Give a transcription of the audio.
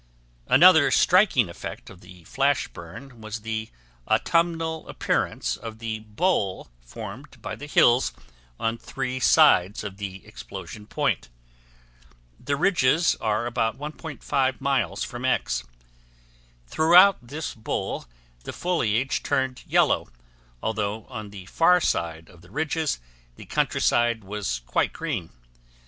Another striking effect of the flash burn was the autumnal appearance of the bowl formed by the hills on three sides of the explosion point. The ridges are about 1.5 miles from X. Throughout this bowl the foliage turned yellow, although on the far side of the ridges the countryside was quite green.